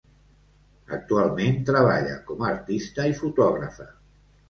Actualment treballa com a artista i fotògrafa.